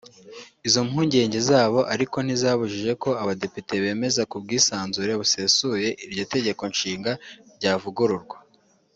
Izo mpungenge zabo ariko nti zabujije ko Abadepite bemeza ku bwisanzure busesuye iryo tegeko nshinga ryavugururwa